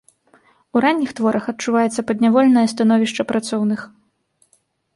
У ранніх творах адчуваецца паднявольнае становішча працоўных.